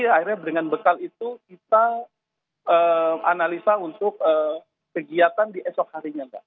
akhirnya dengan bekal itu kita analisa untuk kegiatan di esok harinya mbak